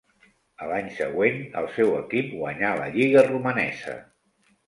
A l'any següent el seu equip guanyà la lliga romanesa.